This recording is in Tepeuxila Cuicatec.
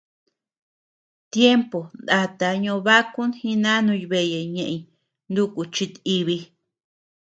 Tiempo ndataa ñobákun jinanuñ beeye ñéʼeñ nuku chit-íbi.